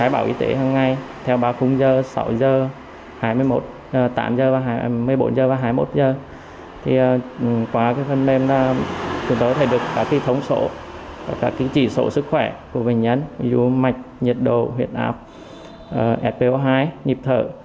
bệnh nhân ví dụ mạch nhiệt độ huyệt áp spo hai nhiệm thở